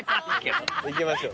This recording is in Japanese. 行きましょう。